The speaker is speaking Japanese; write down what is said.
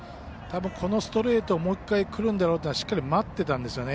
このストレート、もう一回くるんだろうとしっかり待ってたんですよね。